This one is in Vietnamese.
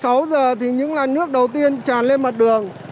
bắt đầu từ một mươi sáu giờ thì những làn nước đầu tiên tràn lên mặt đường